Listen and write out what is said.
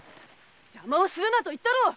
邪魔をするなと言ったろう。